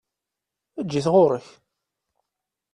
Eǧǧ-it ɣuṛ-k!